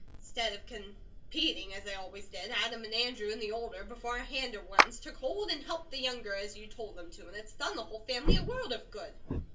Instead of competing as they always did, Adam and Andrew and the older, beforehandeder ones, took hold and helped the younger as you told them to, and it's done the whole family a world of good.